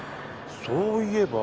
そういえば。